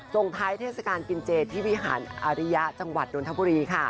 ส่งท้ายเทศกาลกินเจที่วิหารอริยะจังหวัดนทบุรีค่ะ